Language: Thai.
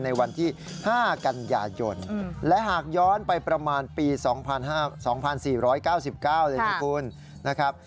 ในวันที่๕กันยายนและหากย้อนไปประมาณปี๒๔๙๙เลยนะคุณนะครับ